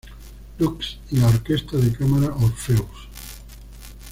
Luke's y la Orquesta de Cámara Orpheus.